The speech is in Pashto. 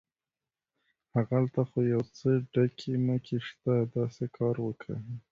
هغلته خو یو څه ډکي مکي شته، داسې کار وکه.